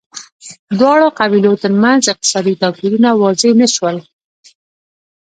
دواړو قبیلو ترمنځ اقتصادي توپیرونه واضح نه شول